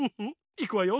いくわよ。